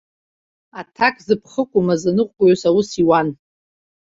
Аҭакзыԥхықәу маӡаныҟәгаҩыс аус иуан.